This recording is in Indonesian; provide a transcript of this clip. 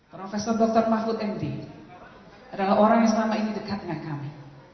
profesor dr mahfud md adalah orang yang selama ini dekat dengan kami